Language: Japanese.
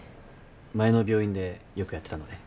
前の病院でよくやってたので。